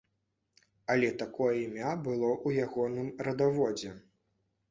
Але такое імя было ў ягоным радаводзе.